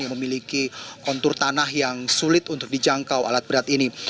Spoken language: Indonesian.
yang memiliki kontur tanah yang sulit untuk dijangkau alat berat ini